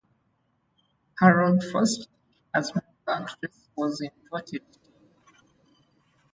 Her first role as main actress was in "Devoted to You".